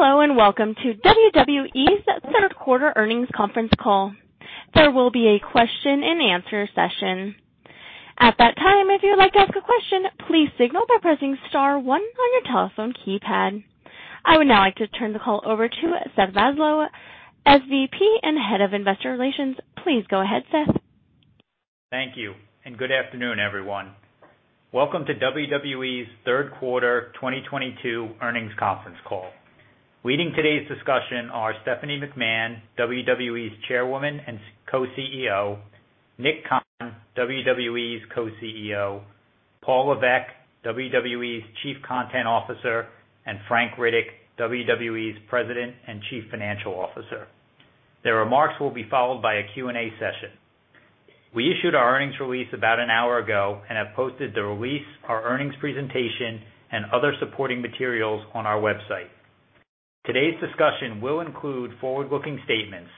Hello, and welcome to WWE's Q3 earnings conference call. There will be a Q&A session. At that time, if you would like to ask a question, please signal by pressing star one on your telephone keypad. I would now like to turn the call over to Seth Zaslow, SVP and Head of Investor Relations. Please go ahead, Seth. Thank you, and good afternoon, everyone. Welcome to WWE's Q3 2022 earnings conference call. Leading today's discussion are Stephanie McMahon, WWE's Chairwoman and co-CEO, Nick Khan, WWE's co-CEO, Paul Levesque, WWE's Chief Content Officer, and Frank Riddick, WWE's President and Chief Financial Officer. The remarks will be followed by a Q&A session. We issued our earnings release about an hour ago and have posted the release, our earnings presentation, and other supporting materials on our website. Today's discussion will include forward-looking statements.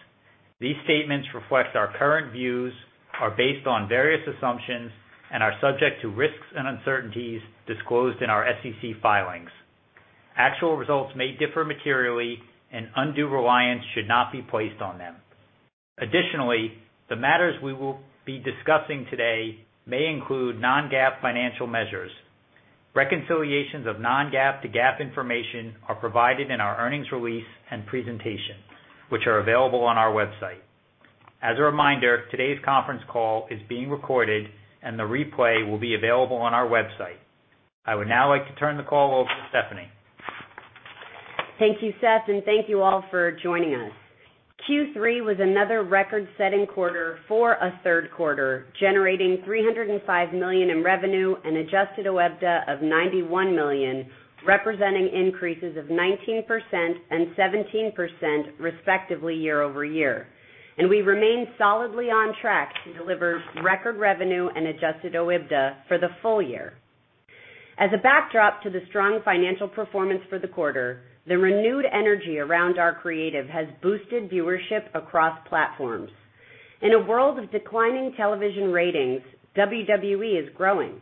These statements reflect our current views, are based on various assumptions, and are subject to risks and uncertainties disclosed in our SEC filings. Actual results may differ materially, and undue reliance should not be placed on them. Additionally, the matters we will be discussing today may include non-GAAP financial measures. Reconciliations of non-GAAP to GAAP information are provided in our earnings release and presentation, which are available on our website. As a reminder, today's conference call is being recorded and the replay will be available on our website. I would now like to turn the call over to Stephanie. Thank you, Seth, and thank you all for joining us. Q3 was another record-setting quarter for a Q3, generating $305 million in revenue and adjusted OIBDA of $91 million, representing increases of 19% and 17% respectively year-over-year. We remain solidly on track to deliver record revenue and adjusted OIBDA for the full year. As a backdrop to the strong financial performance for the quarter, the renewed energy around our creative has boosted viewership across platforms. In a world of declining television ratings, WWE is growing.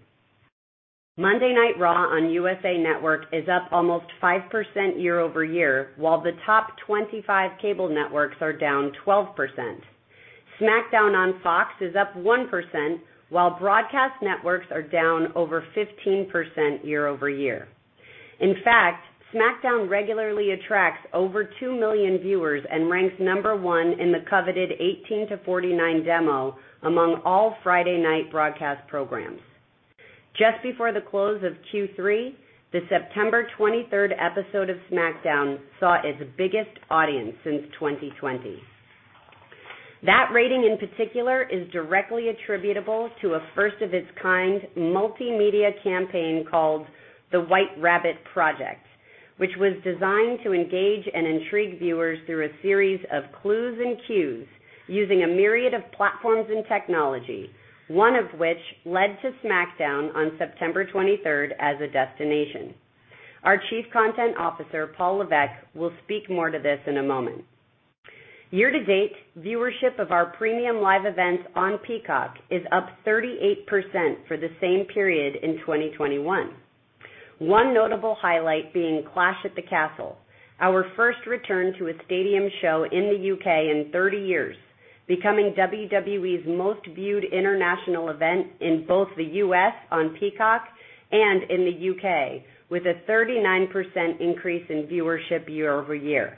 Monday Night Raw on USA Network is up almost 5% year-over-year, while the top 25 cable networks are down 12%. SmackDown on Fox is up 1%, while broadcast networks are down over 15% year-over-year. In fact, SmackDown regularly attracts over 2 million viewers and ranks number one in the coveted 18-49 demo among all Friday night broadcast programs. Just before the close of Q3, the September 23 episode of SmackDown saw its biggest audience since 2020. That rating in particular is directly attributable to a first-of-its-kind multimedia campaign called The White Rabbit Project, which was designed to engage and intrigue viewers through a series of clues and cues using a myriad of platforms and technology, one of which led to SmackDown on September 23 as a destination. Our Chief Content Officer, Paul Levesque, will speak more to this in a moment. Year to date, viewership of our premium live events on Peacock is up 38% for the same period in 2021. One notable highlight being Clash at the Castle, our first return to a stadium show in the U.K. in 30 years, becoming WWE's most viewed international event in both the U.S. on Peacock and in the U.K., with a 39% increase in viewership year-over-year.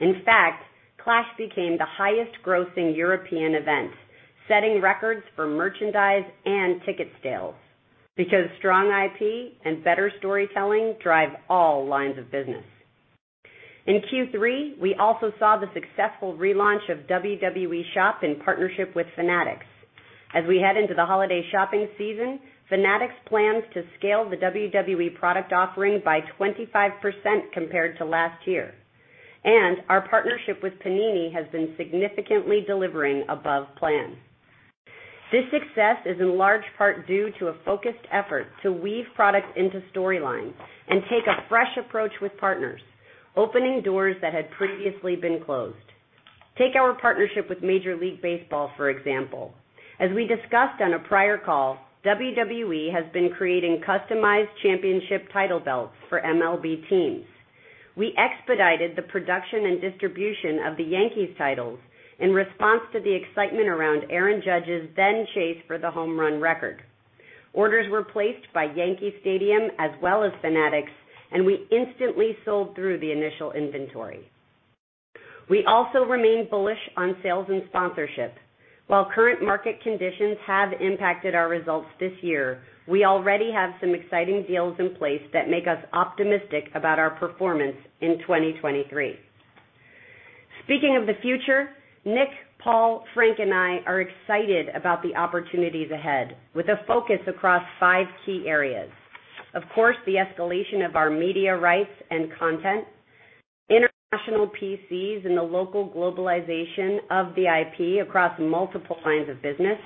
In fact, Clash became the highest-grossing European event, setting records for merchandise and ticket sales because strong IP and better storytelling drive all lines of business. In Q3, we also saw the successful relaunch of WWE Shop in partnership with Fanatics. As we head into the holiday shopping season, Fanatics plans to scale the WWE product offering by 25% compared to last year, and our partnership with Panini has been significantly delivering above plan. This success is in large part due to a focused effort to weave products into storylines and take a fresh approach with partners, opening doors that had previously been closed. Take our partnership with Major League Baseball, for example. As we discussed on a prior call, WWE has been creating customized championship title belts for MLB teams. We expedited the production and distribution of the Yankees titles in response to the excitement around Aaron Judge's then chase for the home run record. Orders were placed by Yankee Stadium as well as Fanatics, and we instantly sold through the initial inventory. We also remain bullish on sales and sponsorship. While current market conditions have impacted our results this year, we already have some exciting deals in place that make us optimistic about our performance in 2023. Speaking of the future, Nick, Paul, Frank, and I are excited about the opportunities ahead with a focus across 5 key areas. Of course, the escalation of our media rights and content, international PCs, and the local globalization of the IP across multiple lines of business,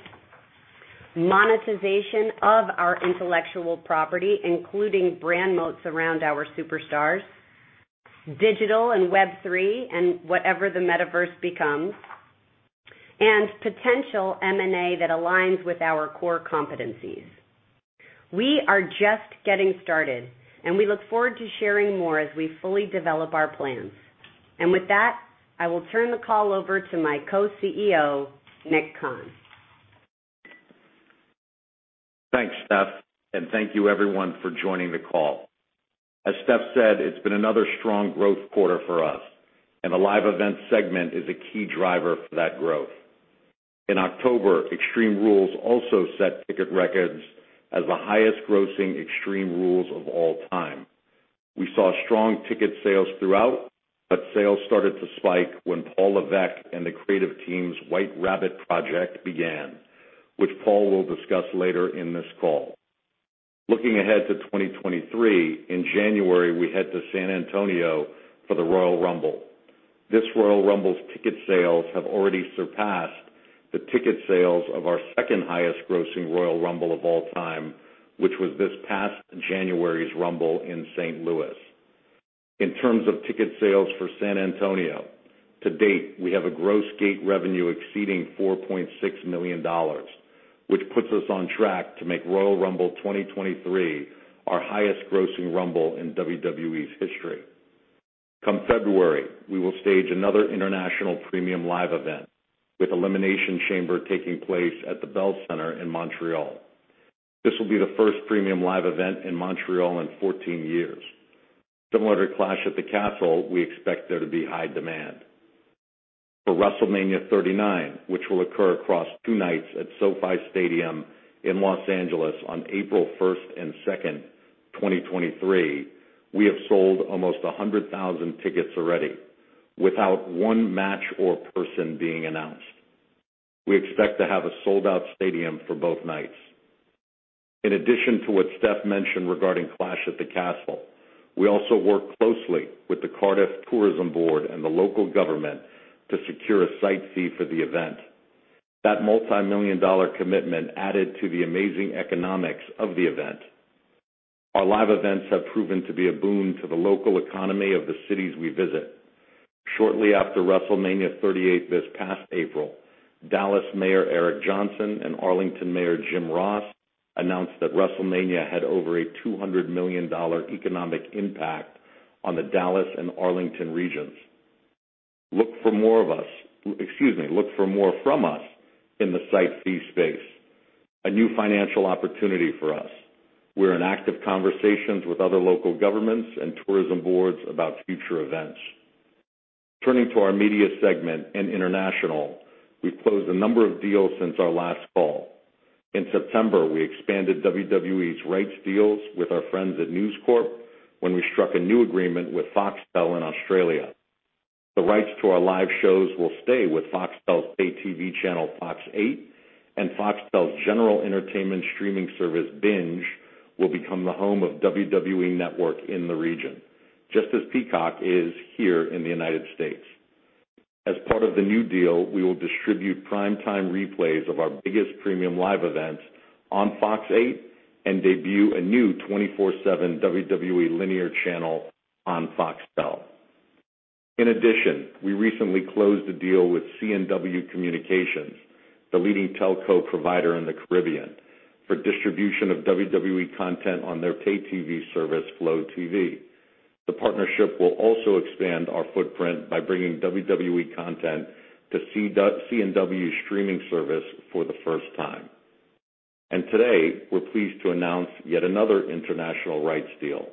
monetization of our intellectual property, including brand moats around our superstars, digital and Web 3.0 and whatever the metaverse becomes. And potential M&A that aligns with our core competencies. We are just getting started, and we look forward to sharing more as we fully develop our plans. With that, I will turn the call over to my co-CEO, Nick Khan. Thanks, Steph, and thank you everyone for joining the call. As Steph said, it's been another strong growth quarter for us, and the live event segment is a key driver for that growth. In October, Extreme Rules also set ticket records as the highest grossing Extreme Rules of all time. We saw strong ticket sales throughout, but sales started to spike when Paul Levesque and the creative team's White Rabbit Project began, which Paul will discuss later in this call. Looking ahead to 2023, in January, we head to San Antonio for the Royal Rumble. This Royal Rumble's ticket sales have already surpassed the ticket sales of our second highest grossing Royal Rumble of all time, which was this past January's Rumble in St. Louis. In terms of ticket sales for San Antonio, to date, we have a gross gate revenue exceeding $4.6 million, which puts us on track to make Royal Rumble 2023 our highest grossing Rumble in WWE's history. Come February, we will stage another international premium live event, with Elimination Chamber taking place at the Bell Centre in Montreal. This will be the first premium live event in Montreal in 14 years. Similar to Clash at the Castle, we expect there to be high demand. For WrestleMania 39, which will occur across 2 nights at SoFi Stadium in Los Angeles on April first and second, 2023, we have sold almost 100,000 tickets already without one match or person being announced. We expect to have a sold-out stadium for both nights. In addition to what Steph mentioned regarding Clash at the Castle, we also work closely with Visit Cardiff and the local government to secure a site fee for the event. That multimillion-dollar commitment added to the amazing economics of the event. Our live events have proven to be a boon to the local economy of the cities we visit. Shortly after WrestleMania 38 this past April, Dallas Mayor Eric Johnson and Arlington Mayor Jim Ross announced that WrestleMania had over a $200 million economic impact on the Dallas and Arlington regions. Look for more from us in the site fee space, a new financial opportunity for us. We're in active conversations with other local governments and tourism boards about future events. Turning to our media segment in international, we've closed a number of deals since our last call. In September, we expanded WWE's rights deals with our friends at News Corp when we struck a new agreement with Foxtel in Australia. The rights to our live shows will stay with Foxtel's pay TV channel, Fox 8, and Foxtel's general entertainment streaming service, Binge, will become the home of WWE Network in the region, just as Peacock is here in the United States. As part of the new deal, we will distribute prime time replays of our biggest premium live events on Fox 8 and debut a new 24/7 WWE linear channel on Foxtel. In addition, we recently closed a deal with C&W Communications, the leading telco provider in the Caribbean, for distribution of WWE content on their pay TV service, Flow TV. The partnership will also expand our footprint by bringing WWE content to C&W streaming service for the first time. Today, we're pleased to announce yet another international rights deal.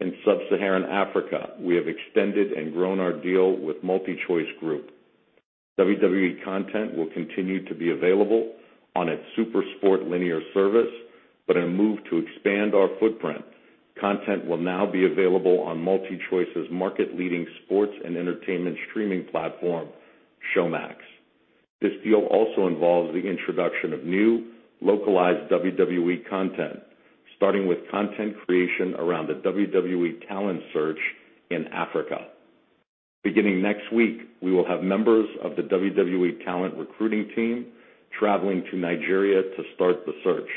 In sub-Saharan Africa, we have extended and grown our deal with MultiChoice Group. WWE content will continue to be available on its SuperSport linear service, but in a move to expand our footprint, content will now be available on MultiChoice's market-leading sports and entertainment streaming platform, Showmax. This deal also involves the introduction of new localized WWE content, starting with content creation around the WWE talent search in Africa. Beginning next week, we will have members of the WWE talent recruiting team traveling to Nigeria to start the search.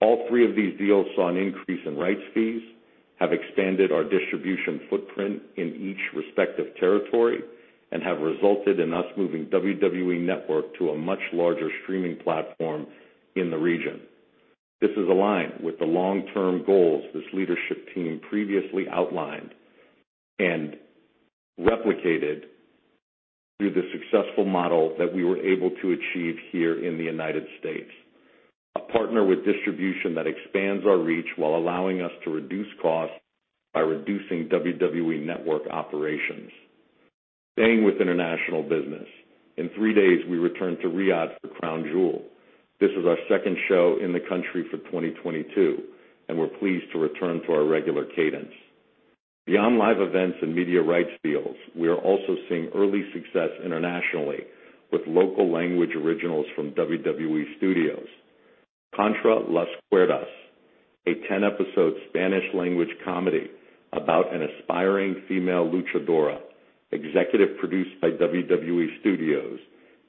All 3 of these deals saw an increase in rights fees, have expanded our distribution footprint in each respective territory, and have resulted in us moving WWE Network to a much larger streaming platform in the region. This is aligned with the long-term goals this leadership team previously outlined and replicated through the successful model that we were able to achieve here in the United States. A partner with distribution that expands our reach while allowing us to reduce costs by reducing WWE Network operations. Staying with international business, in 3 days, we return to Riyadh for Crown Jewel. This is our second show in the country for 2022, and we're pleased to return to our regular cadence. Beyond live events and media rights deals, we are also seeing early success internationally with local language originals from WWE Studios. Contra las Cuerdas, a 10-episode Spanish-language comedy about an aspiring female luchadora, executive produced by WWE Studios,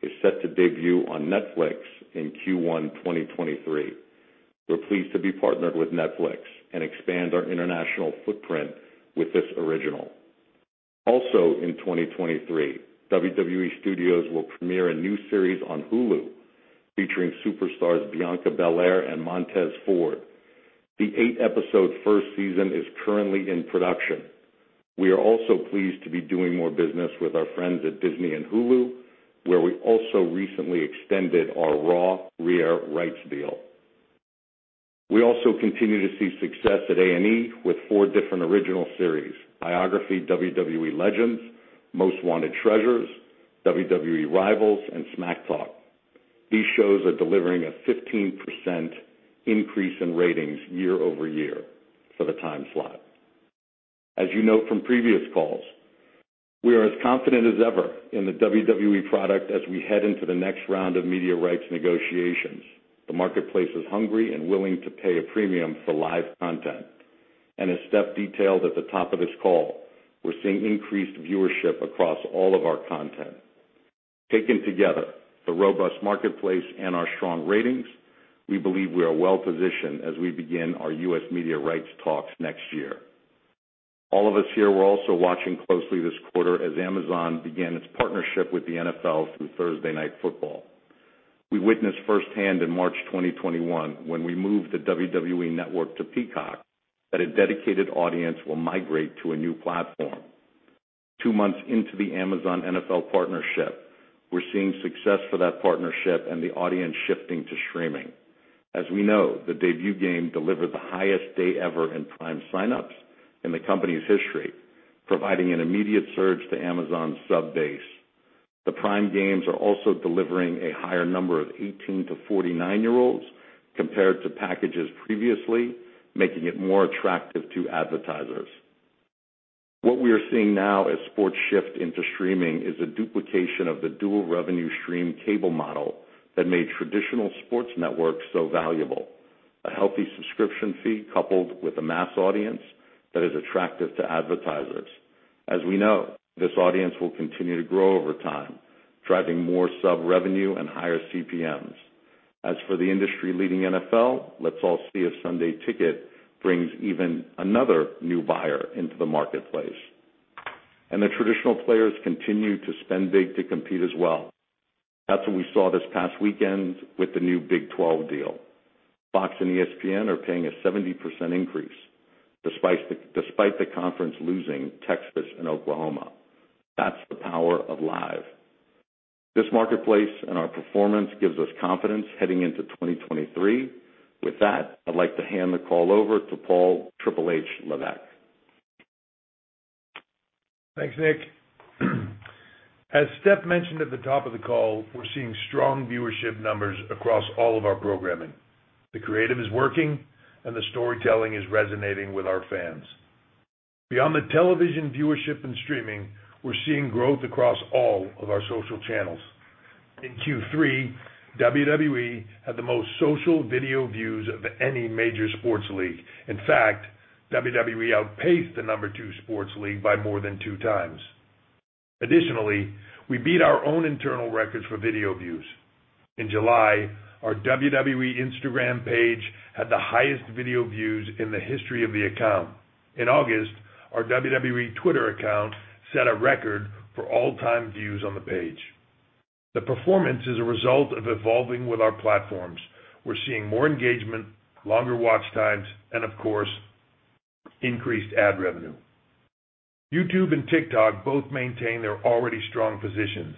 is set to debut on Netflix in Q1 2023. We're pleased to be partnered with Netflix and expand our international footprint with this original. In 2023, WWE Studios will premiere a new series on Hulu featuring superstars Bianca Belair and Montez Ford. The 8-episode first season is currently in production. We are also pleased to be doing more business with our friends at Disney and Hulu, where we also recently extended our Raw reair rights deal. We also continue to see success at A&E with 4 different original series, Biography: WWE Legends, WWE's Most Wanted Treasures, WWE Rivals, and WWE Smack Talk. These shows are delivering a 15% increase in ratings year-over-year for the time slot. As you note from previous calls, we are as confident as ever in the WWE product as we head into the next round of media rights negotiations. The marketplace is hungry and willing to pay a premium for live content. As Steph detailed at the top of this call, we're seeing increased viewership across all of our content. Taken together, the robust marketplace and our strong ratings, we believe we are well-positioned as we begin our U.S. media rights talks next year. All of us here were also watching closely this quarter as Amazon began its partnership with the NFL through Thursday Night Football. We witnessed firsthand in March 2021, when we moved the WWE Network to Peacock, that a dedicated audience will migrate to a new platform. Two months into the Amazon-NFL partnership, we're seeing success for that partnership and the audience shifting to streaming. As we know, the debut game delivered the highest day ever in Prime sign-ups in the company's history, providing an immediate surge to Amazon's sub base. The Prime Games are also delivering a higher number of 18- to 49-year-olds compared to packages previously, making it more attractive to advertisers. What we are seeing now as sports shift into streaming is a duplication of the dual revenue stream cable model that made traditional sports networks so valuable. A healthy subscription fee coupled with a mass audience that is attractive to advertisers. As we know, this audience will continue to grow over time, driving more sub-revenue and higher CPMs. As for the industry-leading NFL, let's all see if Sunday Ticket brings even another new buyer into the marketplace. The traditional players continue to spend big to compete as well. That's what we saw this past weekend with the new Big 12 deal. Fox and ESPN are paying a 70% increase despite the conference losing Texas and Oklahoma. That's the power of live. This marketplace and our performance gives us confidence heading into 2023. With that, I'd like to hand the call over to Paul Triple H Levesque. Thanks, Nick. As Steph mentioned at the top of the call, we're seeing strong viewership numbers across all of our programming. The creative is working, and the storytelling is resonating with our fans. Beyond the television viewership and streaming, we're seeing growth across all of our social channels. In Q3, WWE had the most social video views of any major sports league. In fact, WWE outpaced the number 2 sports league by more than 2x. Additionally, we beat our own internal records for video views. In July, our WWE Instagram page had the highest video views in the history of the account. In August, our WWE Twitter account set a record for all-time views on the page. The performance is a result of evolving with our platforms. We're seeing more engagement, longer watch times, and of course, increased ad revenue. YouTube and TikTok both maintain their already strong positions.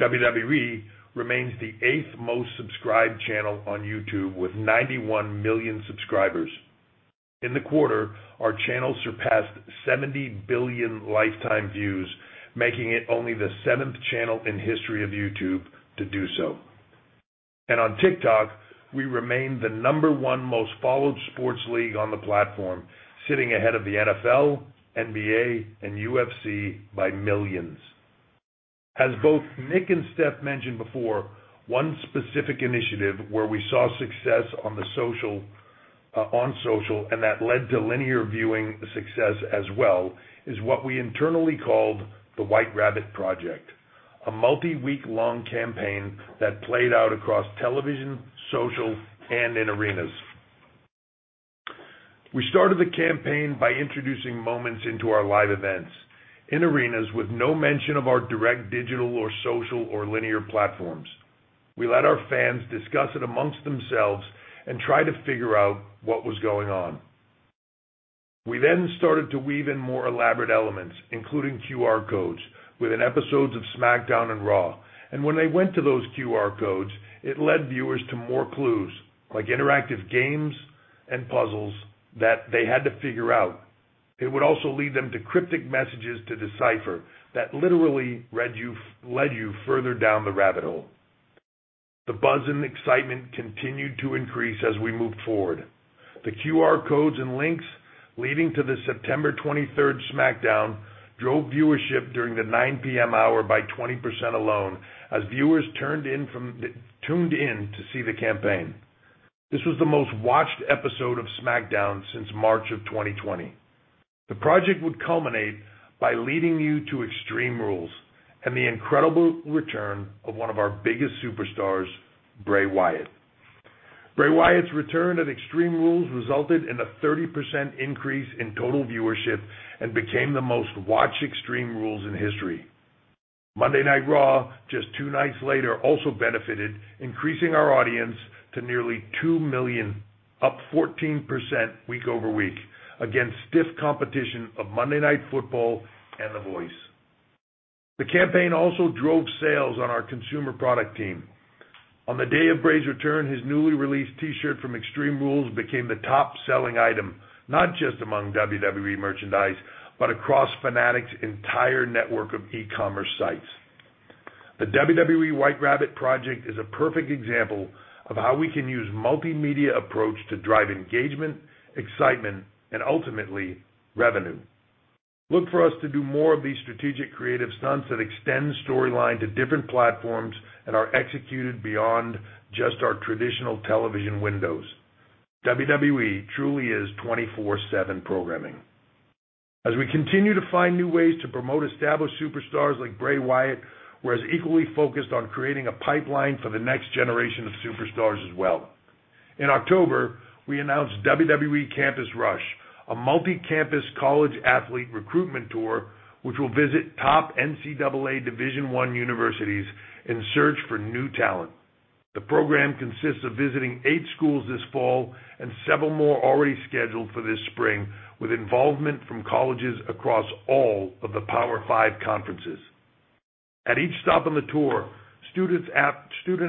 WWE remains the 8th most subscribed channel on YouTube with 91 million subscribers. In the quarter, our channel surpassed 70 billion lifetime views, making it only the 7th channel in history of YouTube to do so. On TikTok, we remain the number one most followed sports league on the platform, sitting ahead of the NFL, NBA, and UFC by millions. As both Nick and Steph mentioned before, one specific initiative where we saw success on social, on social and that led to linear viewing success as well, is what we internally called the White Rabbit Project, a multi-week-long campaign that played out across television, social, and in arenas. We started the campaign by introducing moments into our live events in arenas with no mention of our direct digital or social or linear platforms. We let our fans discuss it amongst themselves and try to figure out what was going on. We then started to weave in more elaborate elements, including QR codes within episodes of SmackDown and Raw. When they went to those QR codes, it led viewers to more clues like interactive games and puzzles that they had to figure out. It would also lead them to cryptic messages to decipher that literally led you further down the rabbit hole. The buzz and excitement continued to increase as we moved forward. The QR codes and links leading to the September twenty-third SmackDown drove viewership during the 9:00 P.M. hour by 20% alone as viewers tuned in to see the campaign. This was the most-watched episode of SmackDown since March of 2020. The project would culminate by leading you to Extreme Rules and the incredible return of one of our biggest superstars, Bray Wyatt. Bray Wyatt's return at Extreme Rules resulted in a 30% increase in total viewership and became the most watched Extreme Rules in history. Monday Night Raw, just 2 nights later, also benefited, increasing our audience to nearly 2 million, up 14% week over week against stiff competition of Monday Night Football and The Voice. The campaign also drove sales on our consumer product team. On the day of Bray's return, his newly released T-shirt from Extreme Rules became the top-selling item, not just among WWE merchandise, but across Fanatics' entire network of e-commerce sites. The WWE White Rabbit Project is a perfect example of how we can use multimedia approach to drive engagement, excitement, and ultimately, revenue. Look for us to do more of these strategic creative stunts that extend storyline to different platforms and are executed beyond just our traditional television windows. WWE truly is 24/7 programming. As we continue to find new ways to promote established superstars like Bray Wyatt, we're as equally focused on creating a pipeline for the next generation of superstars as well. In October, we announced WWE Campus Rush, a multi-campus college athlete recruitment tour, which will visit top NCAA Division I universities in search for new talent. The program consists of visiting 8 schools this fall and several more already scheduled for this spring with involvement from colleges across all of the Power Five conferences. At each stop on the tour, student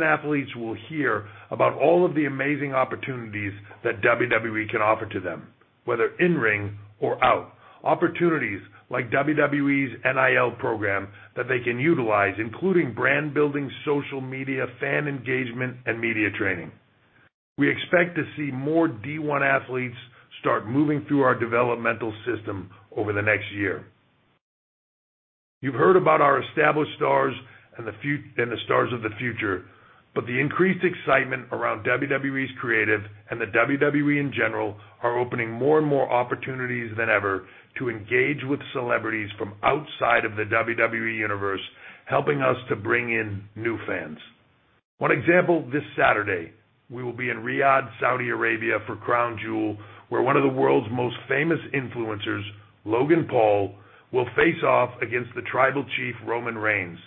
athletes will hear about all of the amazing opportunities that WWE can offer to them, whether in-ring or out. Opportunities like WWE's NIL program that they can utilize, including brand building, social media, fan engagement, and media training. We expect to see more D1 athletes start moving through our developmental system over the next year. You've heard about our established stars and the stars of the future, but the increased excitement around WWE's creative and the WWE in general are opening more and more opportunities than ever to engage with celebrities from outside of the WWE Universe, helping us to bring in new fans. One example, this Saturday, we will be in Riyadh, Saudi Arabia, for Crown Jewel, where one of the world's most famous influencers, Logan Paul, will face off against The Tribal Chief, Roman Reigns.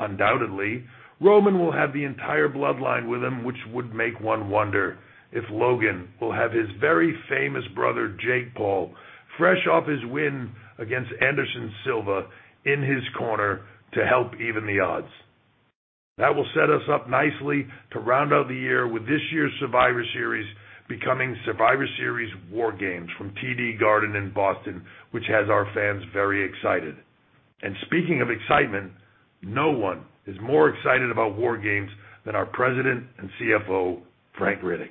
Undoubtedly, Roman will have the entire Bloodline with him, which would make one wonder if Logan will have his very famous brother, Jake Paul, fresh off his win against Anderson Silva in his corner to help even the odds. That will set us up nicely to round out the year with this year's Survivor Series becoming Survivor Series WarGames from TD Garden in Boston, which has our fans very excited. Speaking of excitement, no one is more excited about WarGames than our President and CFO, Frank Riddick.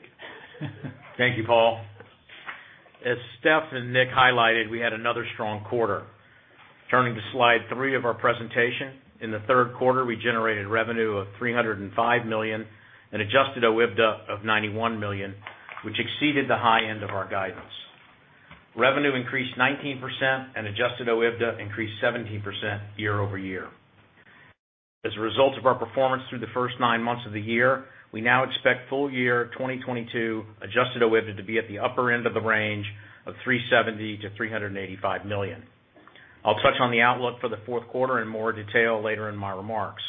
Thank you, Paul. As Steph and Nick highlighted, we had another strong quarter. Turning to slide 3 of our presentation, in the Q3, we generated revenue of $305 million and adjusted OIBDA of $91 million, which exceeded the high end of our guidance. Revenue increased 19% and adjusted OIBDA increased 17% year-over-year. As a result of our performance through the first 9 months of the year, we now expect full year 2022 adjusted OIBDA to be at the upper end of the range of $370 million-$385 million. I'll touch on the outlook for the Q4 in more detail later in my remarks.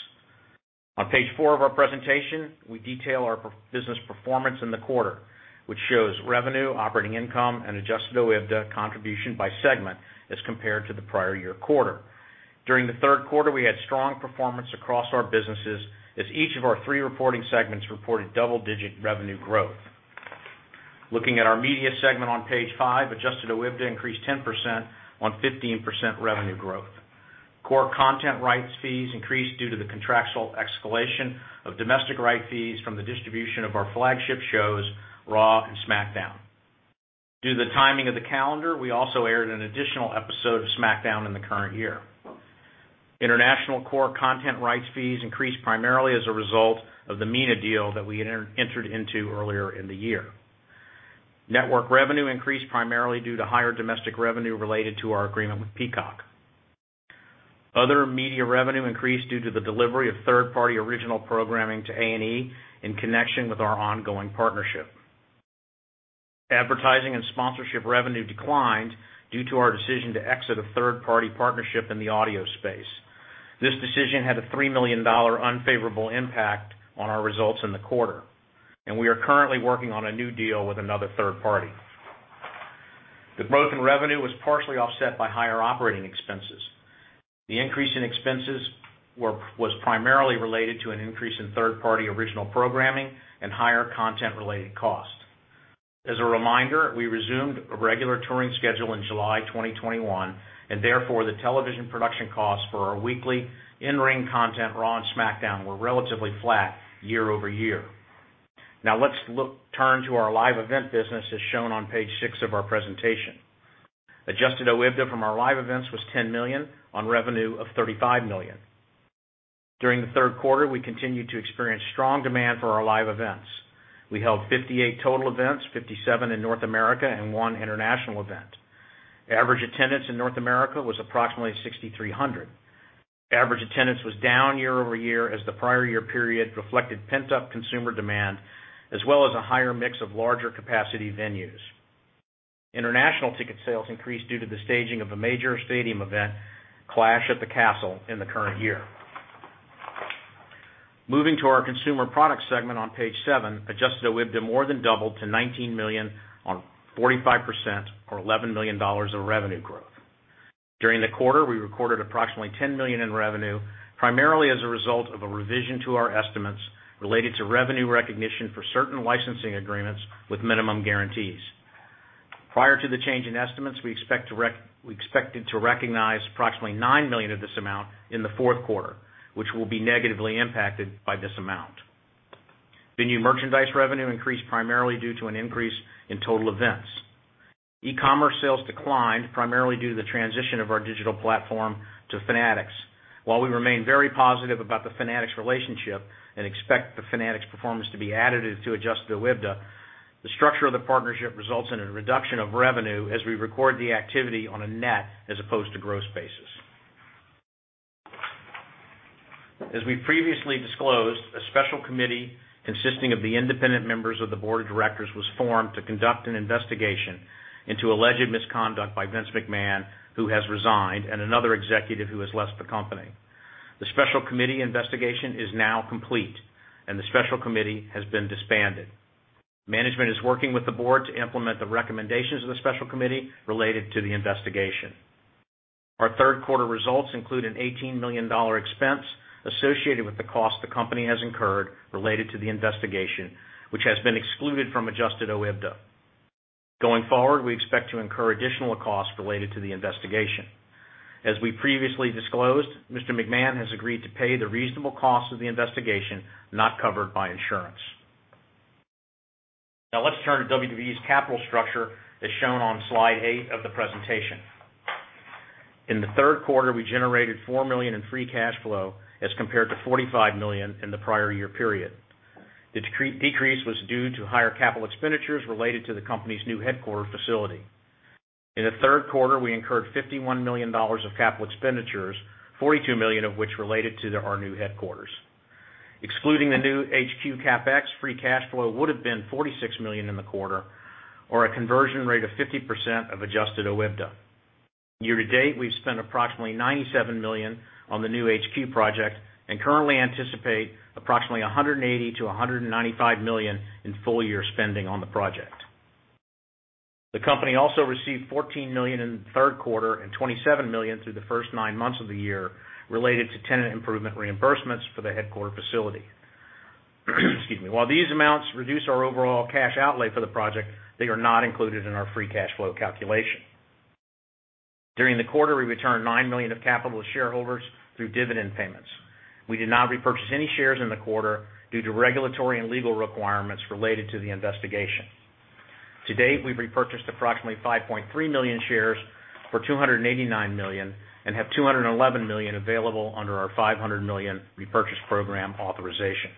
On page 4 of our presentation, we detail our business performance in the quarter, which shows revenue, operating income, and adjusted OIBDA contribution by segment as compared to the prior year quarter. During the Q3, we had strong performance across our businesses as each of our 3 reporting segments reported double-digit revenue growth. Looking at our media segment on page 5, Adjusted OIBDA increased 10% on 15% revenue growth. Core content rights fees increased due to the contractual escalation of domestic right fees from the distribution of our flagship shows, Raw and SmackDown. Due to the timing of the calendar, we also aired an additional episode of SmackDown in the current year. International core content rights fees increased primarily as a result of the MENA deal that we entered into earlier in the year. Network revenue increased primarily due to higher domestic revenue related to our agreement with Peacock. Other media revenue increased due to the delivery of third-party original programming to A&E in connection with our ongoing partnership. Advertising and sponsorship revenue declined due to our decision to exit a third-party partnership in the audio space. This decision had a $3 million unfavorable impact on our results in the quarter, and we are currently working on a new deal with another third party. The growth in revenue was partially offset by higher operating expenses. The increase in expenses was primarily related to an increase in third-party original programming and higher content-related costs. As a reminder, we resumed a regular touring schedule in July 2021, and therefore, the television production costs for our weekly in-ring content, Raw and SmackDown, were relatively flat year over year. Now let's turn to our live event business as shown on page 6 of our presentation. Adjusted OIBDA from our live events was $10 million on revenue of $35 million. During the Q3, we continued to experience strong demand for our live events. We held 58 total events, 57 in North America, and 1 international event. Average attendance in North America was approximately 6,300. Average attendance was down year-over-year as the prior year period reflected pent-up consumer demand as well as a higher mix of larger capacity venues. International ticket sales increased due to the staging of a major stadium event Clash at the Castle in the current year. Moving to our consumer products segment on page 7, adjusted OIBDA more than doubled to $19 million on 45% or $11 million of revenue growth. During the quarter, we recorded approximately $10 million in revenue primarily as a result of a revision to our estimates related to revenue recognition for certain licensing agreements with minimum guarantees. Prior to the change in estimates, we expected to recognize approximately $9 million of this amount in the Q4, which will be negatively impacted by this amount. Venue merchandise revenue increased primarily due to an increase in total events. E-commerce sales declined primarily due to the transition of our digital platform to Fanatics. While we remain very positive about the Fanatics relationship and expect the Fanatics performance to be additive to Adjusted OIBDA, the structure of the partnership results in a reduction of revenue as we record the activity on a net as opposed to gross basis. As we previously disclosed, a special committee consisting of the independent members of the board of directors was formed to conduct an investigation into alleged misconduct by Vince McMahon, who has resigned, and another executive who has left the company. The special committee investigation is now complete, and the special committee has been disbanded. Management is working with the board to implement the recommendations of the special committee related to the investigation. Our Q3 results include an $18 million expense associated with the cost the company has incurred related to the investigation, which has been excluded from Adjusted OIBDA. Going forward, we expect to incur additional costs related to the investigation. As we previously disclosed, Mr. McMahon has agreed to pay the reasonable cost of the investigation not covered by insurance. Now let's turn to WWE's capital structure, as shown on slide 8 of the presentation. In the Q3, we generated $4 million in Free Cash Flow as compared to $45 million in the prior year period. The decrease was due to higher capital expenditures related to the company's new headquarters facility. In the Q3, we incurred $51 million of capital expenditures, $42 million of which related to our new headquarters. Excluding the new HQ CapEx, Free Cash Flow would've been $46 million in the quarter, or a conversion rate of 50% of Adjusted OIBDA. Year to date, we've spent approximately $97 million on the new HQ project and currently anticipate approximately $180 million-$195 million in full year spending on the project. The company also received $14 million in the Q3 and $27 million through the first 9 months of the year related to tenant improvement reimbursements for the headquarters facility. Excuse me. While these amounts reduce our overall cash outlay for the project, they are not included in our Free Cash Flow calculation. During the quarter, we returned $9 million of capital to shareholders through dividend payments. We did not repurchase any shares in the quarter due to regulatory and legal requirements related to the investigation. To date, we've repurchased approximately 5.3 million shares for $289 million and have $211 million available under our $500 million repurchase program authorization.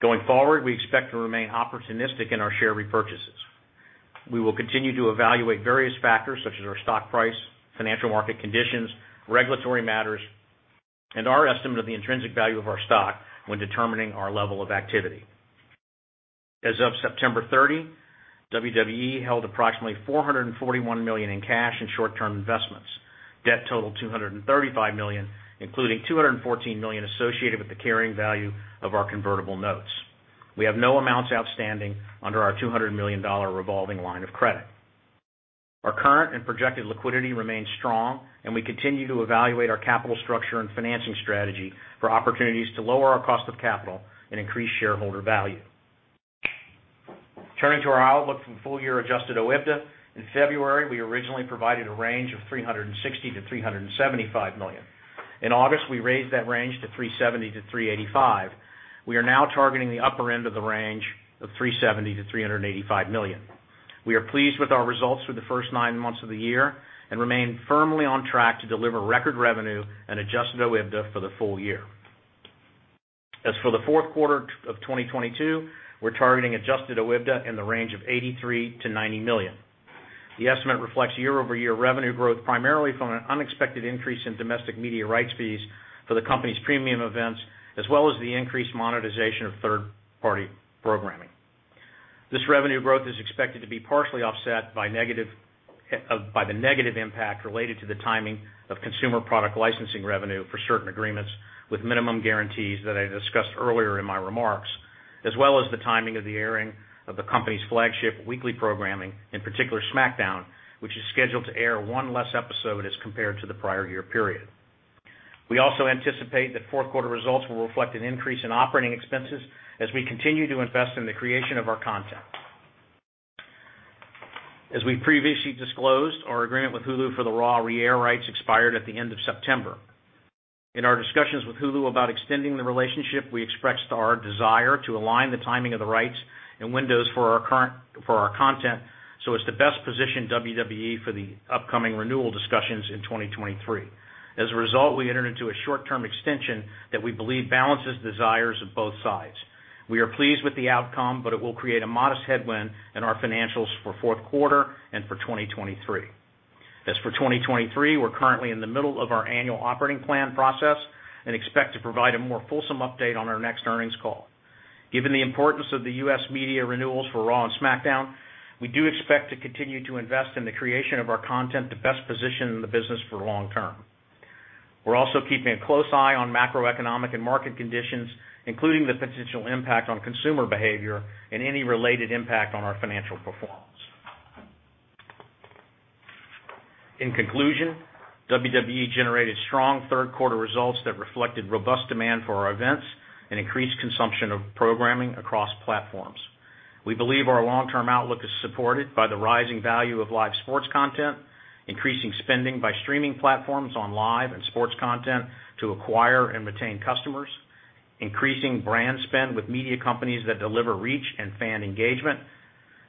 Going forward, we expect to remain opportunistic in our share repurchases. We will continue to evaluate various factors such as our stock price, financial market conditions, regulatory matters, and our estimate of the intrinsic value of our stock when determining our level of activity. As of September 30, WWE held approximately $441 million in cash and short-term investments. Debt totaled $235 million, including $214 million associated with the carrying value of our convertible notes. We have no amounts outstanding under our $200 million revolving line of credit. Our current and projected liquidity remains strong, and we continue to evaluate our capital structure and financing strategy for opportunities to lower our cost of capital and increase shareholder value. Turning to our outlook for full-year Adjusted OIBDA, in February, we originally provided a range of $360 million-$375 million. In August, we raised that range to $370 million-$385 million. We are now targeting the upper end of the range of $370 million-$385 million. We are pleased with our results for the first 9 months of the year and remain firmly on track to deliver record revenue and Adjusted OIBDA for the full year. As for the Q4 of 2022, we're targeting Adjusted OIBDA in the range of $83-$90 million. The estimate reflects year-over-year revenue growth, primarily from an unexpected increase in domestic media rights fees for the company's premium events, as well as the increased monetization of third-party programming. This revenue growth is expected to be partially offset by the negative impact related to the timing of consumer product licensing revenue for certain agreements with minimum guarantees that I discussed earlier in my remarks, as well as the timing of the airing of the company's flagship weekly programming, in particular SmackDown, which is scheduled to air one less episode as compared to the prior year period. We also anticipate that Q4 results will reflect an increase in operating expenses as we continue to invest in the creation of our content. As we previously disclosed, our agreement with Hulu for the Raw re-air rights expired at the end of September. In our discussions with Hulu about extending the relationship, we expressed our desire to align the timing of the rights and windows for our content, so as to best position WWE for the upcoming renewal discussions in 2023. As a result, we entered into a short-term extension that we believe balances the desires of both sides. We are pleased with the outcome, but it will create a modest headwind in our financials for Q4 and for 2023. As for 2023, we're currently in the middle of our annual operating plan process and expect to provide a more fulsome update on our next earnings call. Given the importance of the U.S. media renewals for Raw and SmackDown, we do expect to continue to invest in the creation of our content to best position the business for long term. We're also keeping a close eye on macroeconomic and market conditions, including the potential impact on consumer behavior and any related impact on our financial performance. In conclusion, WWE generated strong Q3 results that reflected robust demand for our events and increased consumption of programming across platforms. We believe our long-term outlook is supported by the rising value of live sports content, increasing spending by streaming platforms on live and sports content to acquire and retain customers, increasing brand spend with media companies that deliver reach and fan engagement,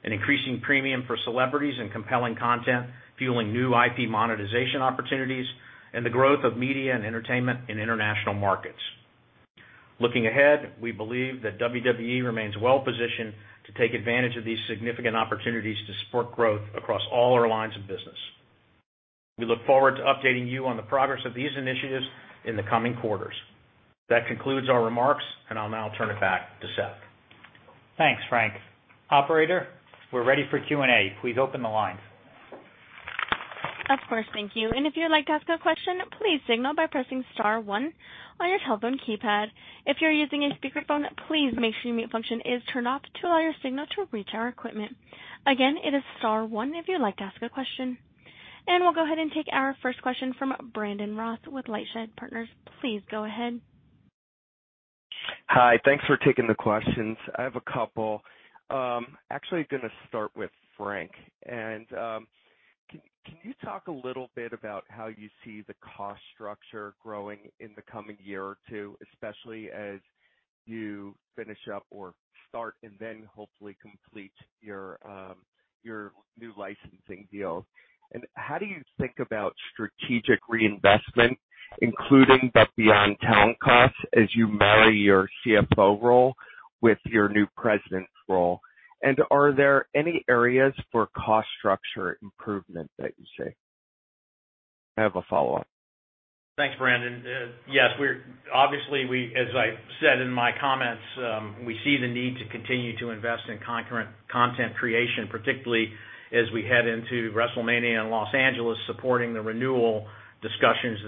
an increasing premium for celebrities and compelling content, fueling new IP monetization opportunities, and the growth of media and entertainment in international markets. Looking ahead, we believe that WWE remains well-positioned to take advantage of these significant opportunities to support growth across all our lines of business. We look forward to updating you on the progress of these initiatives in the coming quarters. That concludes our remarks, and I'll now turn it back to Seth. Thanks, Frank. Operator, we're ready for Q&A. Please open the lines. Of course. Thank you. If you'd like to ask a question, please signal by pressing star one on your telephone keypad. If you're using a speakerphone, please make sure mute function is turned off to allow your signal to reach our equipment. Again, it is star one if you'd like to ask a question. We'll go ahead and take our first question from Brandon Ross with LightShed Partners. Please go ahead. Hi. Thanks for taking the questions. I have a couple. Actually gonna start with Frank. Can you talk a little bit about how you see the cost structure growing in the coming year or 2, especially as you finish up or start and then hopefully complete your new licensing deals? How do you think about strategic reinvestment, including the beyond talent costs, as you marry your CFO role with your new president's role? Are there any areas for cost structure improvement that you see? I have a follow-up. Thanks, Brandon. Yes, obviously, as I said in my comments, we see the need to continue to invest in content creation, particularly as we head into WrestleMania in Los Angeles, supporting the renewal discussions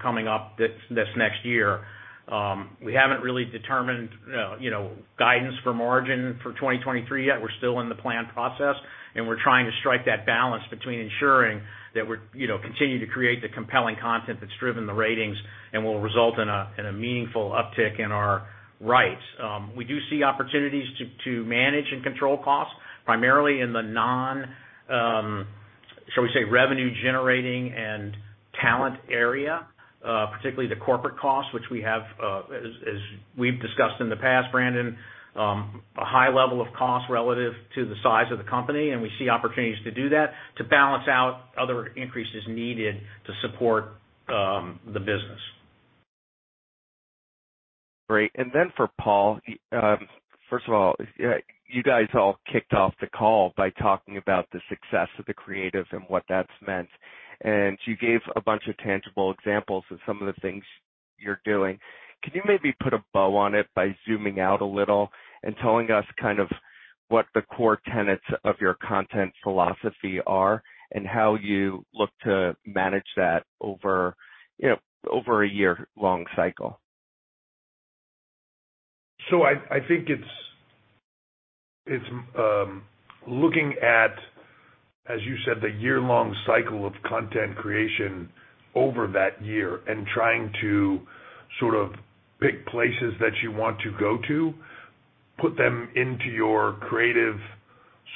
coming up this next year. We haven't really determined, you know, guidance for margin for 2023 yet. We're still in the plan process, and we're trying to strike that balance between ensuring that we're, you know, continue to create the compelling content that's driven the ratings and will result in a meaningful uptick in our rights. We do see opportunities to manage and control costs primarily in the non, shall we say, revenue-generating and talent area, particularly the corporate costs, which we have, as we've discussed in the past, Brandon, a high level of cost relative to the size of the company, and we see opportunities to do that to balance out other increases needed to support the business. Great. For Paul. First of all, you guys all kicked off the call by talking about the success of the creative and what that's meant. You gave a bunch of tangible examples of some of the things you're doing. Can you maybe put a bow on it by zooming out a little and telling us kind of what the core tenets of your content philosophy are and how you look to manage that over, you know, over a year-long cycle? I think it's looking at, as you said, the year-long cycle of content creation over that year and trying to sort of pick places that you want to go to, put them into your creative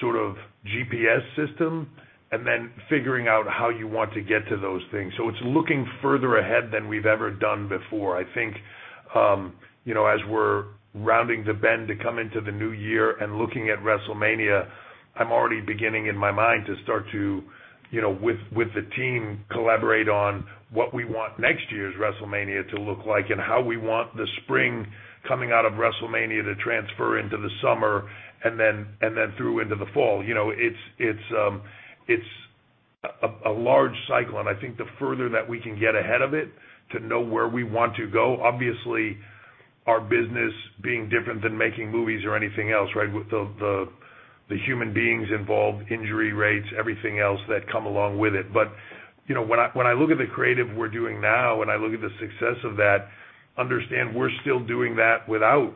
sort of GPS system, and then figuring out how you want to get to those things. It's looking further ahead than we've ever done before. I think you know, as we're rounding the bend to come into the new year and looking at WrestleMania, I'm already beginning in my mind to start to you know with the team collaborate on what we want next year's WrestleMania to look like and how we want the spring coming out of WrestleMania to transfer into the summer and then through into the fall. You know, it's a large cycle, and I think the further that we can get ahead of it to know where we want to go. Obviously, our business being different than making movies or anything else, right? With the human beings involved, injury rates, everything else that come along with it. You know, when I look at the creative we're doing now, and I look at the success of that, understand we're still doing that without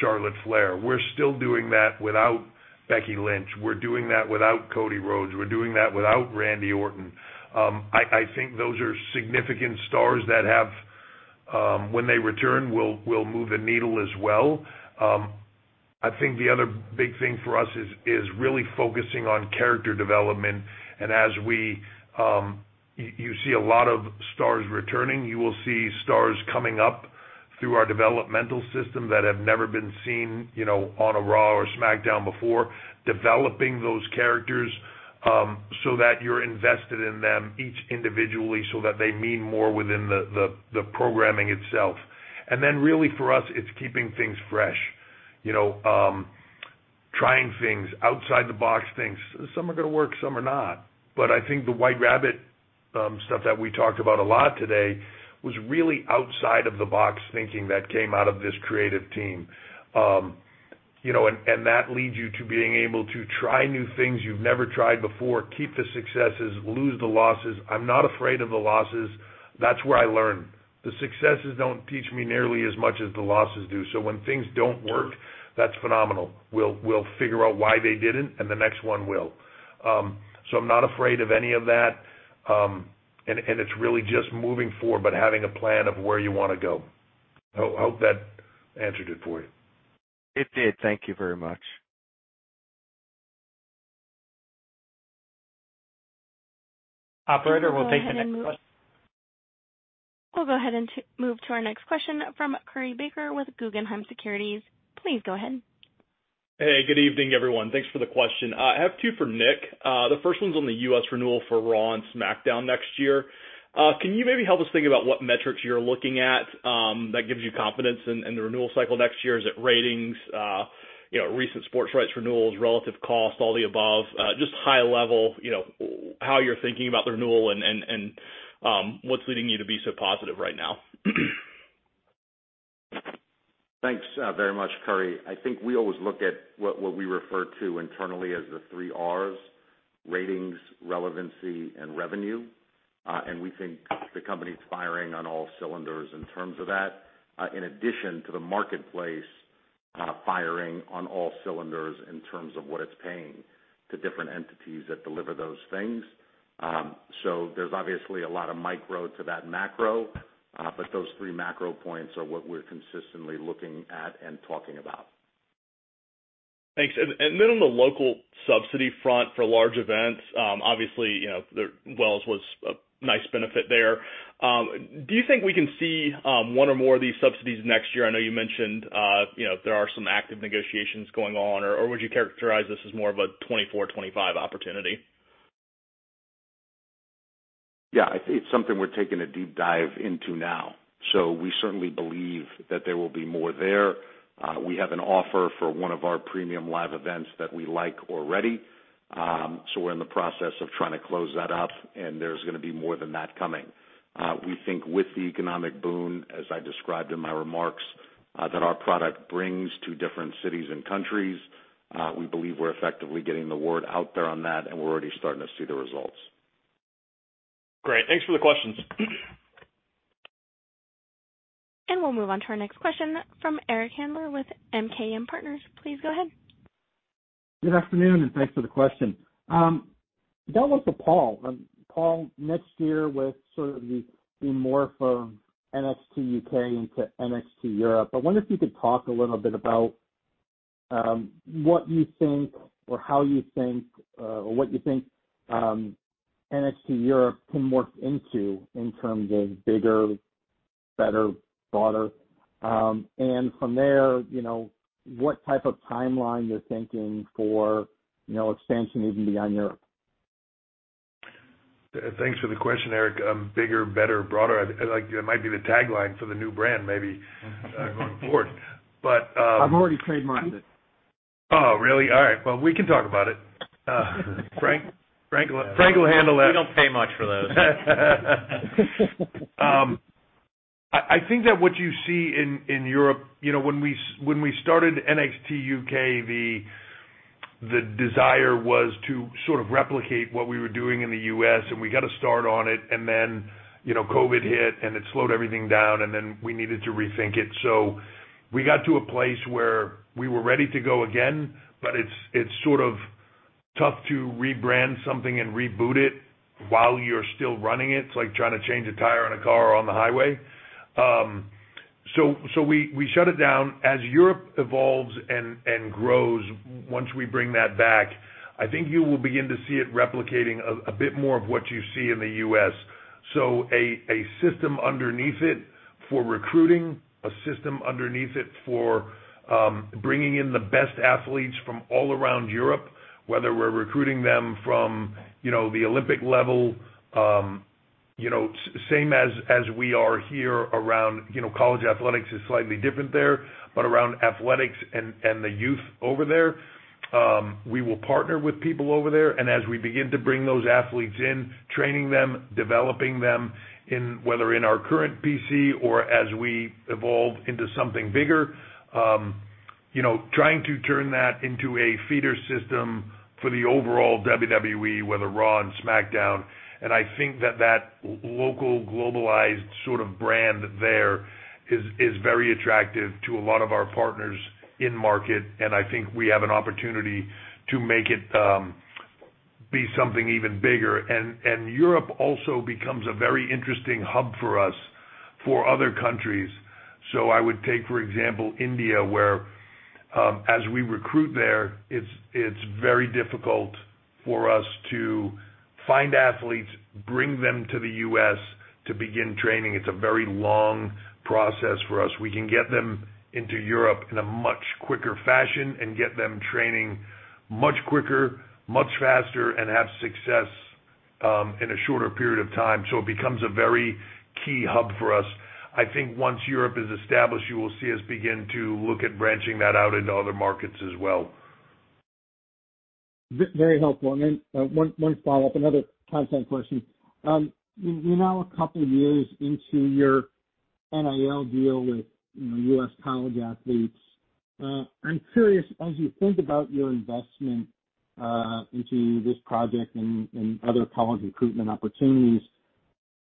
Charlotte Flair. We're still doing that without Becky Lynch. We're doing that without Cody Rhodes. We're doing that without Randy Orton. I think those are significant stars that have, when they return, we'll move the needle as well. I think the other big thing for us is really focusing on character development. You see a lot of stars returning. You will see stars coming up through our developmental system that have never been seen, you know, on a Raw or SmackDown before, developing those characters, so that you're invested in them each individually so that they mean more within the programming itself. Then really for us, it's keeping things fresh, you know, trying things, outside-the-box things. Some are gonna work, some are not. But I think the White Rabbit stuff that we talked about a lot today was really outside-the-box thinking that came out of this creative team. You know, that leads you to being able to try new things you've never tried before, keep the successes, lose the losses. I'm not afraid of the losses. That's where I learn. The successes don't teach me nearly as much as the losses do. When things don't work, that's phenomenal. We'll figure out why they didn't, and the next one will. I'm not afraid of any of that, and it's really just moving forward but having a plan of where you wanna go. I hope that answered it for you. It did. Thank you very much. Operator, we'll take the next question. We'll go ahead and move to our next question from Curry Baker with Guggenheim Securities. Please go ahead. Hey, good evening, everyone. Thanks for the question. I have 2 for Nick. The first one's on the U.S. renewal for Raw and SmackDown next year. Can you maybe help us think about what metrics you're looking at that gives you confidence in the renewal cycle next year? Is it ratings, you know, recent sports rights renewals, relative cost, all the above? Just high level, you know, how you're thinking about the renewal and what's leading you to be so positive right now? Thanks, very much, Curry. I think we always look at what we refer to internally as the 3 Rs, ratings, relevancy, and revenue. We think the company's firing on all cylinders in terms of that, in addition to the marketplace, firing on all cylinders in terms of what it's paying to different entities that deliver those things. There's obviously a lot of micro to that macro, but those 3 macro points are what we're consistently looking at and talking about. Thanks. Then on the local subsidy front for large events, obviously, you know, Wales was a nice benefit there. Do you think we can see one or more of these subsidies next year? I know you mentioned, you know, there are some active negotiations going on, or would you characterize this as more of a 2024/2025 opportunity? Yeah. I think it's something we're taking a deep dive into now. We certainly believe that there will be more there. We have an offer for one of our premium live events that we like already, so we're in the process of trying to close that up, and there's gonna be more than that coming. We think with the economic boom, as I described in my remarks, that our product brings to different cities and countries, we believe we're effectively getting the word out there on that, and we're already starting to see the results. Great. Thanks for the questions. We'll move on to our next question from Eric Handler with MKM Partners. Please go ahead. Good afternoon, and thanks for the question. That one's for Paul. Paul, next year with sort of the morph from NXT UK into NXT Europe, I wonder if you could talk a little bit about what you think or how you think NXT Europe can morph into in terms of bigger, better, broader. From there, you know, what type of timeline you're thinking for, you know, expansion even beyond Europe. Thanks for the question, Eric. Bigger, better, broader. I think, like, that might be the tagline for the new brand maybe going forward. I've already trademarked it. Oh, really? All right. Well, we can talk about it. Frank will handle that. We don't pay much for those. I think that what you see in Europe, you know, when we started NXT UK, the desire was to sort of replicate what we were doing in the U.S., and we got a start on it, and then, you know, COVID hit, and it slowed everything down, and then we needed to rethink it. We got to a place where we were ready to go again, but it's sort of tough to rebrand something and reboot it while you're still running it. It's like trying to change a tire on a car on the highway. We shut it down. As Europe evolves and grows, once we bring that back, I think you will begin to see it replicating a bit more of what you see in the U.S. A system underneath it for recruiting for bringing in the best athletes from all around Europe, whether we're recruiting them from, you know, the Olympic level, you know, same as we are here around, you know, college athletics is slightly different there, but around athletics and the youth over there, we will partner with people over there. As we begin to bring those athletes in, training them, developing them, whether in our current PC or as we evolve into something bigger, you know, trying to turn that into a feeder system for the overall WWE, whether Raw and SmackDown. I think that local globalized sort of brand there is very attractive to a lot of our partners in market, and I think we have an opportunity to make it be something even bigger. Europe also becomes a very interesting hub for us for other countries. I would take, for example, India, where, as we recruit there, it's very difficult for us to find athletes, bring them to the U.S. to begin training. It's a very long process for us. We can get them into Europe in a much quicker fashion and get them training much quicker, much faster, and have success in a shorter period of time. It becomes a very key hub for us. I think once Europe is established, you will see us begin to look at branching that out into other markets as well. Very helpful. Then, one follow-up, another content question. You're now a couple of years into your NIL deal with, you know, U.S. college athletes. I'm curious, as you think about your investment into this project and other college recruitment opportunities,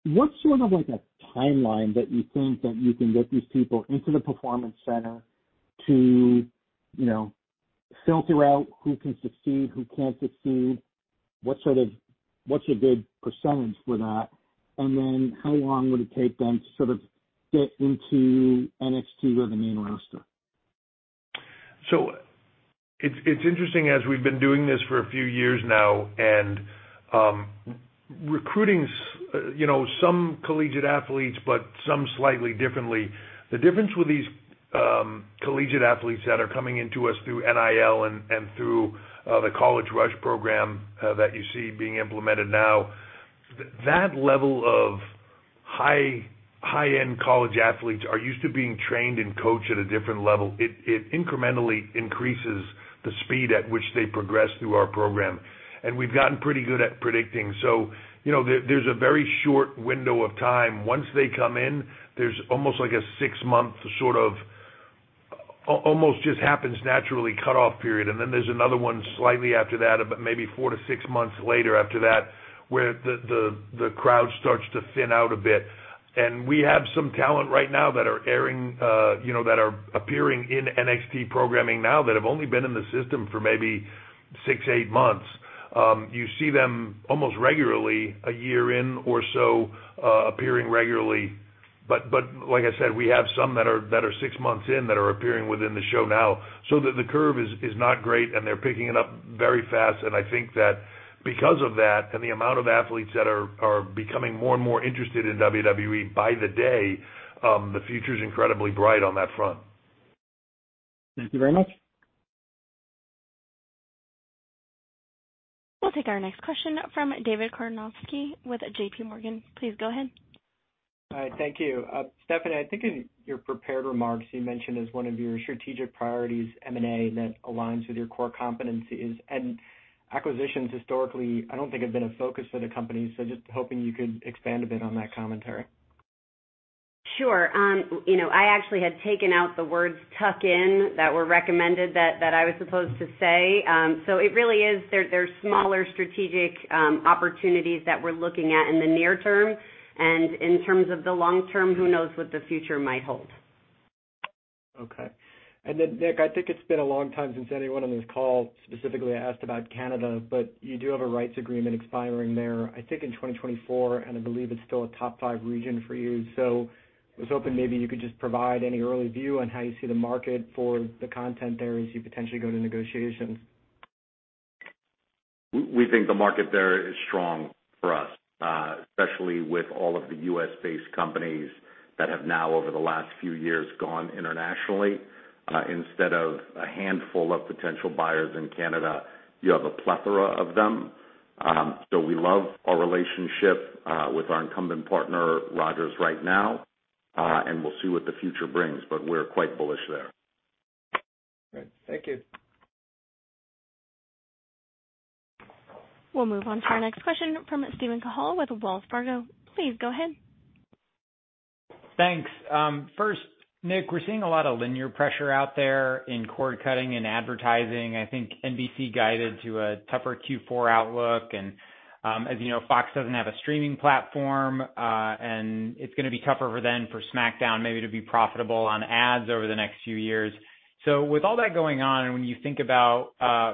what's sort of like a timeline that you think that you can get these people into the Performance Center to, you know, filter out who can succeed, who can't succeed? What's a good percentage for that? Then how long would it take them to sort of get into NXT or the main roster? It's interesting, as we've been doing this for a few years now and recruiting, you know, some collegiate athletes, but some slightly differently. The difference with these collegiate athletes that are coming into us through NIL and through the WWE Campus Rush that you see being implemented now, that level of high-end college athletes are used to being trained and coached at a different level. It incrementally increases the speed at which they progress through our program. We've gotten pretty good at predicting. You know, there's a very short window of time. Once they come in, there's almost like a 6-month sort of almost just happens naturally cut off period. Then there's another one slightly after that, about maybe 4-6 months later after that, where the crowd starts to thin out a bit. We have some talent right now that are appearing in NXT programming now that have only been in the system for maybe 6, 8 months. You see them appearing regularly a year or so. Like I said, we have some that are 6 months in that are appearing within the show now. The curve is not great, and they're picking it up very fast. I think that because of that and the amount of athletes that are becoming more and more interested in WWE by the day, the future's incredibly bright on that front. Thank you very much. We'll take our next question from David Karnovsky with JPMorgan. Please go ahead. All right. Thank you. Stephanie, I think in your prepared remarks, you mentioned as one of your strategic priorities M&A, and that aligns with your core competencies. Acquisitions historically, I don't think have been a focus for the company. Just hoping you could expand a bit on that commentary. Sure. You know, I actually had taken out the words "tuck-in" that were recommended that I was supposed to say. So it really is. There are smaller strategic opportunities that we're looking at in the near term. In terms of the long term, who knows what the future might hold. Okay. Nick, I think it's been a long time since anyone on this call specifically asked about Canada, but you do have a rights agreement expiring there, I think in 2024, and I believe it's still a top 5 region for you. I was hoping maybe you could just provide any early view on how you see the market for the content there as you potentially go to negotiations. We think the market there is strong for us, especially with all of the U.S.-based companies that have now, over the last few years, gone internationally. Instead of a handful of potential buyers in Canada, you have a plethora of them. We love our relationship with our incumbent partner, Rogers, right now, and we'll see what the future brings, but we're quite bullish there. Great. Thank you. We'll move on to our next question from Steven Cahall with Wells Fargo. Please go ahead. Thanks. First, Nick, we're seeing a lot of linear pressure out there in cord-cutting and advertising. I think NBC guided to a tougher Q4 outlook. As you know, Fox doesn't have a streaming platform, and it's gonna be tougher for them for SmackDown maybe to be profitable on ads over the next few years. With all that going on, and when you think about,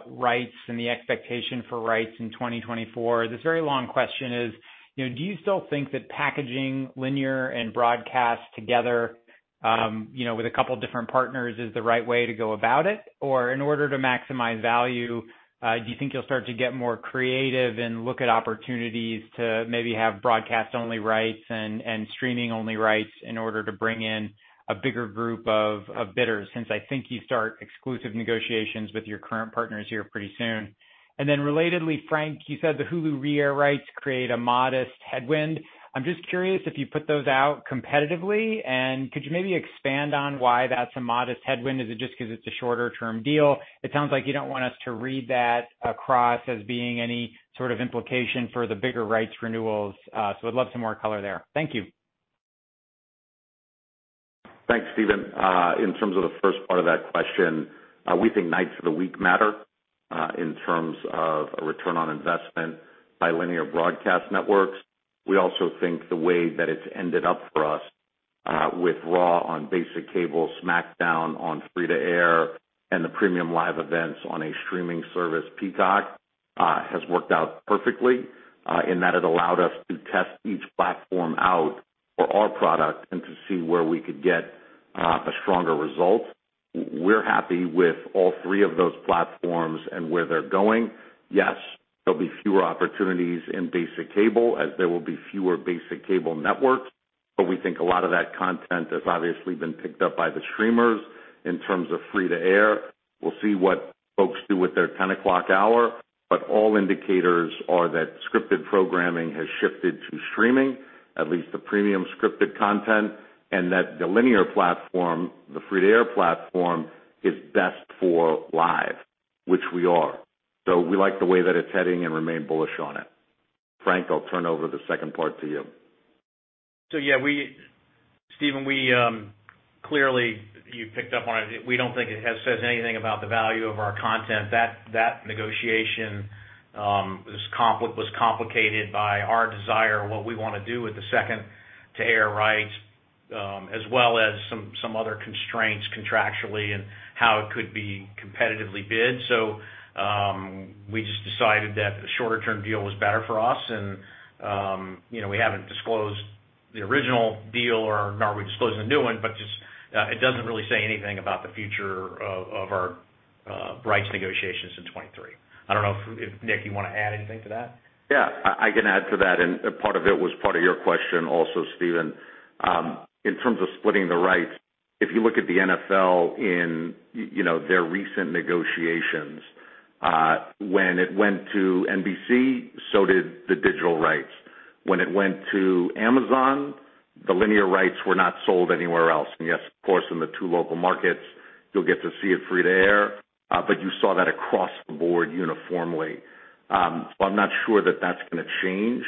rights and the expectation for rights in 2024, this very long question is, you know, do you still think that packaging linear and broadcast together, you know, with a couple different partners is the right way to go about it? In order to maximize value, do you think you'll start to get more creative and look at opportunities to maybe have broadcast-only rights and streaming-only rights in order to bring in a bigger group of bidders? Since I think you start exclusive negotiations with your current partners here pretty soon. Then relatedly, Frank, you said the Hulu re-air rights create a modest headwind. I'm just curious if you put those out competitively, and could you maybe expand on why that's a modest headwind? Is it just 'cause it's a shorter-term deal? It sounds like you don't want us to read that across as being any sort of implication for the bigger rights renewals. I'd love some more color there. Thank you. Thanks, Steven. In terms of the first part of that question, we think nights of the week matter, in terms of a return on investment by linear broadcast networks. We also think the way that it's ended up for us. With Raw on basic cable, SmackDown on free-to-air, and the premium live events on a streaming service, Peacock, has worked out perfectly, in that it allowed us to test each platform out for our product and to see where we could get, a stronger result. We're happy with all 3 of those platforms and where they're going. Yes, there'll be fewer opportunities in basic cable as there will be fewer basic cable networks, but we think a lot of that content has obviously been picked up by the streamers. In terms of free-to-air, we'll see what folks do with their 10 o'clock hour. All indicators are that scripted programming has shifted to streaming, at least the premium scripted content, and that the linear platform, the free-to-air platform, is best for live, which we are. We like the way that it's heading and remain bullish on it. Frank Riddick, I'll turn over the second part to you. Yeah, Steven Cahall, clearly you picked up on it. We don't think it says anything about the value of our content. That negotiation was complicated by our desire and what we wanna do with the second-to-air rights, as well as some other constraints contractually and how it could be competitively bid. We just decided that the shorter term deal was better for us and, you know, we haven't disclosed the original deal or nor are we disclosing the new one, but just it doesn't really say anything about the future of our rights negotiations in 2023. I don't know if Nick Khan, you wanna add anything to that. Yeah, I can add to that, and a part of it was part of your question also, Steven. In terms of splitting the rights, if you look at the NFL, you know, their recent negotiations, when it went to NBC, so did the digital rights. When it went to Amazon, the linear rights were not sold anywhere else. Yes, of course, in the 2 local markets you'll get to see it free-to-air, but you saw that across the board uniformly. I'm not sure that that's gonna change.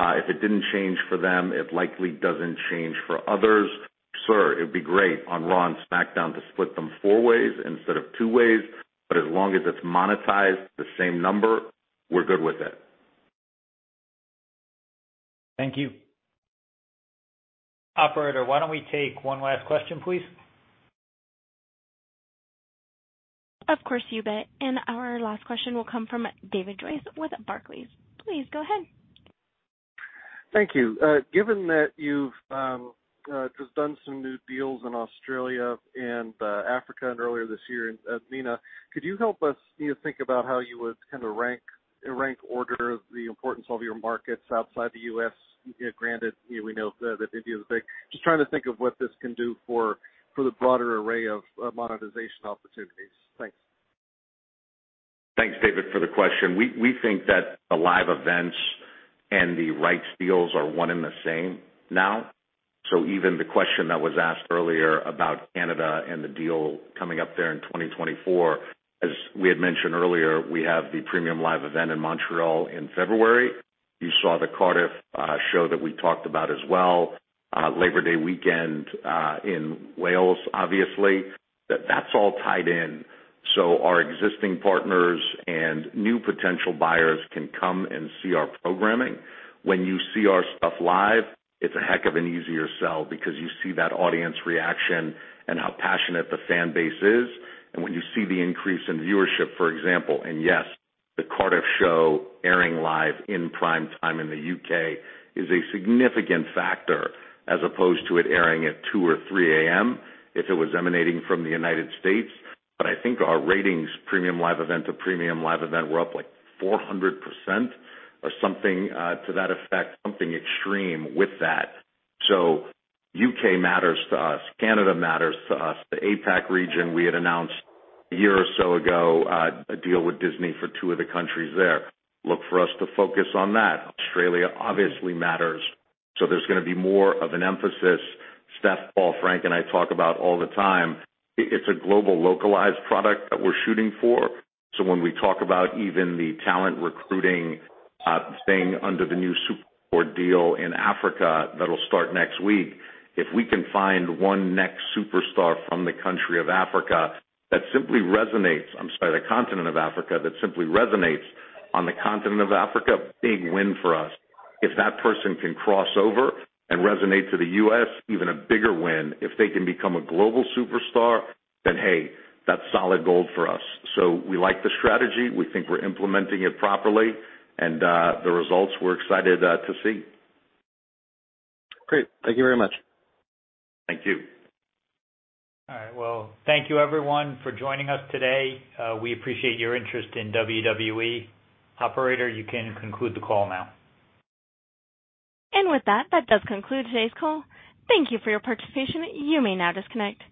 If it didn't change for them, it likely doesn't change for others. Sir, it'd be great on Raw and SmackDown to split them 4 ways instead of 2 ways, but as long as it's monetized the same number, we're good with it. Thank you. Operator, why don't we take one last question, please? Of course, you bet. Our last question will come from David Joyce with Barclays. Please go ahead. Thank you. Given that you've just done some new deals in Australia and Africa and earlier this year in MENA, could you help us, you know, think about how you would kind of rank order the importance of your markets outside the U.S.? Granted, you know, we know that India is big. Just trying to think of what this can do for the broader array of monetization opportunities. Thanks. Thanks, David, for the question. We think that the live events and the rights deals are one and the same now. Even the question that was asked earlier about Canada and the deal coming up there in 2024, as we had mentioned earlier, we have the premium live event in Montreal in February. You saw the Cardiff show that we talked about as well, Labor Day weekend in Wales, obviously. That's all tied in. Our existing partners and new potential buyers can come and see our programming. When you see our stuff live, it's a heck of an easier sell because you see that audience reaction and how passionate the fan base is. When you see the increase in viewership, for example, and yes, the Cardiff show airing live in prime time in the U.K. is a significant factor as opposed to it airing at 2:00 or 3:00 A.M. if it was emanating from the United States. I think our ratings premium live event to premium live event were up like 400% or something to that effect, something extreme with that. U.K. matters to us. Canada matters to us. The APAC region, we had announced a year or so ago a deal with Disney for 2 of the countries there. Look for us to focus on that. Australia obviously matters. There's gonna be more of an emphasis. Steph, Paul, Frank, and I talk about all the time. It's a global localized product that we're shooting for. When we talk about even the talent recruiting thing under the new SuperSport deal in Africa that'll start next week, if we can find one NXT superstar from the continent of Africa that simply resonates on the continent of Africa, big win for us. If that person can cross over and resonate to the U.S., even a bigger win. If they can become a global superstar, then hey, that's solid gold for us. We like the strategy. We think we're implementing it properly and the results we're excited to see. Great. Thank you very much. Thank you. All right. Well, thank you everyone for joining us today. We appreciate your interest in WWE. Operator, you can conclude the call now. With that does conclude today's call. Thank you for your participation. You may now disconnect.